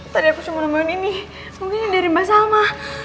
tadi aku cuma nembahin ini mungkin dari mbak salma